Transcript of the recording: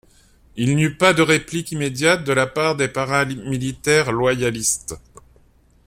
Il n’y eut pas de réplique immédiate de la part des paramilitaires loyalistes.